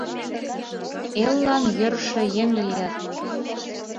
Эллан йӧршӧ еҥ лият.